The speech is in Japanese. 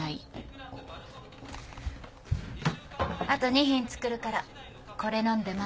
あと２品作るからこれ飲んで待っててね。